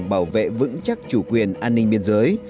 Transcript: bảo vệ vững chắc chủ quyền an ninh biên giới